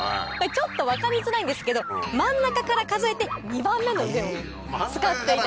ちょっと分かりづらいんですけど真ん中から数えて２番目の腕を使っていた。